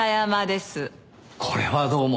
これはどうも。